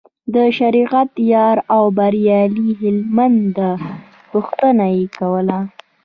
د شریعت یار او بریالي هلمند پوښتنه یې کوله.